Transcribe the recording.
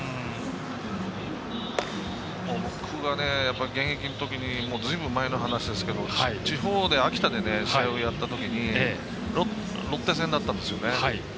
僕が現役のときにずいぶん前の話ですけど地方で秋田で試合をやったときにロッテ戦だったんですよね。